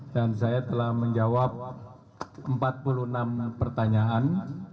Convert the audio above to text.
dan saya telah menjawab empat puluh enam pertanyaan